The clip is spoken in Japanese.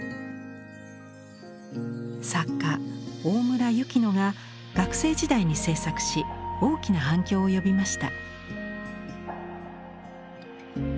作家・大村雪乃が学生時代に制作し大きな反響を呼びました。